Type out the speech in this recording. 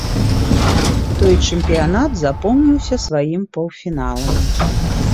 Той чэмпіянат запомніўся сваім паўфіналам.